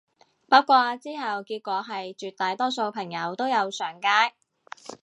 不過之後結果係絕大多數朋友都有上街